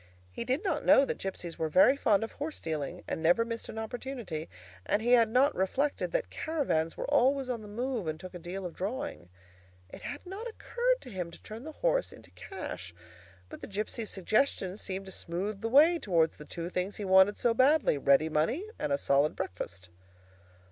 He did not know that gipsies were very fond of horse dealing, and never missed an opportunity, and he had not reflected that caravans were always on the move and took a deal of drawing. It had not occurred to him to turn the horse into cash, but the gipsy's suggestion seemed to smooth the way towards the two things he wanted so badly—ready money, and a solid breakfast.